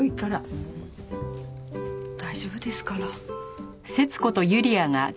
大丈夫ですから。